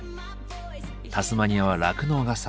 タスマニアは酪農が盛ん。